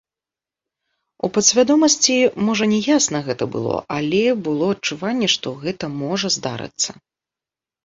У падсвядомасці, можа не ясна гэта было, але было адчуванне, што гэта можа здарыцца.